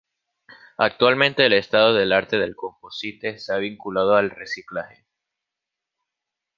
Actualmente el estado del arte del composite se ha vinculado al reciclaje.